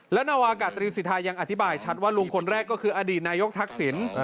และนาวากาตรีสิทธายังอธิบายชัดว่าลุงคนแรกก็คืออดีตนายกทักษิณ